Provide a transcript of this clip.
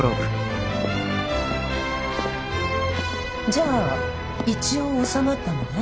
じゃあ一応収まったのね。